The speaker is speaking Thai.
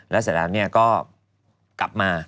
แล้วเสร็จแล้วก็กลับมา